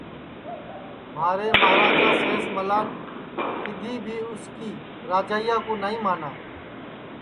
مہارے مہاراجا سین ملان کِدھی بھی اُس کی راجائیا کُو نائی مانا